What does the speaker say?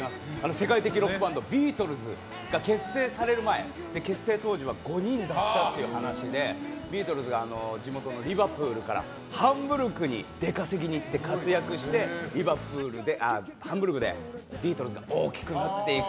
世界的ロックバンドビートルズが結成される前結成当時は５人だったという話でビートルズが地元のリバプールからハンブルクに出稼ぎに行って活躍してハンブルクでビートルズが大きくなっていく